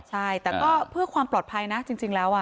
ใช่แต่ก็เพื่อความปลอดภัยนะจริงแล้ว